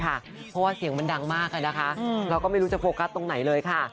เพราะว่าเสียงมันดังมากนะคะเราก็ไม่รู้จะโฟกัสตรงไหนเลยค่ะ